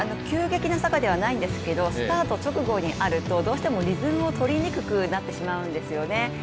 急激な坂ではないんですけどスタート直後にあるとどうしてもリズムを取りにくくなってしまうんですよね。